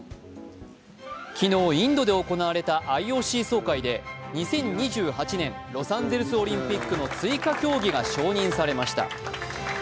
昨日、インドで行われたＩＯＣ総会で２０２８年ロサンゼルスオリンピックの追加競技が承認されました。